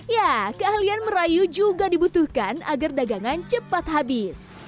ya keahlian merayu juga dibutuhkan agar dagangan cepat habis